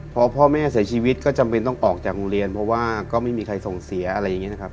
พอพ่อแม่เสียชีวิตก็จำเป็นต้องออกจากโรงเรียนเพราะว่าก็ไม่มีใครส่งเสียอะไรอย่างนี้นะครับ